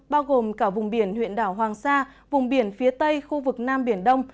bao gồm cả vùng biển huyện đảo hoàng sa vùng biển phía tây khu vực nam biển đông